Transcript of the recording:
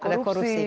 karena ada korupsi